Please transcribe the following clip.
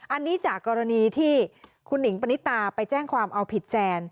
อันนี้จากกรณีที่คุณหนิงปณิตาไปแจ้งความเอาผิดแซน